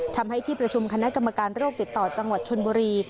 ทำให้ที่ประชุมคณะกรรมการโรคติดต่อจังหวัดชนบุรี